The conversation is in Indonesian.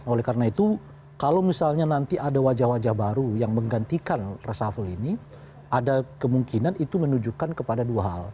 oleh karena itu kalau misalnya nanti ada wajah wajah baru yang menggantikan resafel ini ada kemungkinan itu menunjukkan kepada dua hal